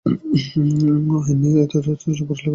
আইন নিয়ে এত কষ্ট করে পড়ালেখা করেছি কি শুধু বিয়ে করার জন্যে?